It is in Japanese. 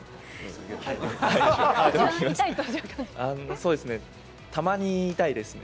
そうですね、たまに痛いですね。